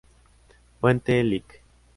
Fuente: Lic.